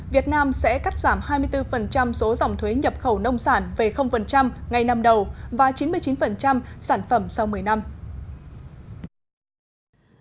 việt nam sẽ cắt giảm hai mươi bốn số dòng thuế nhập khẩu nông sản về ngày năm đầu và chín mươi chín sản phẩm sau một mươi năm